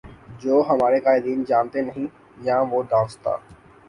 جو ہمارے قائدین جانتے نہیں یا وہ دانستہ